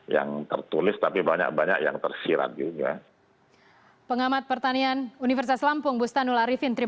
yang tertulis tapi banyak banyak yang tersirat juga